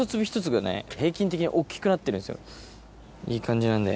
いい感じなんで。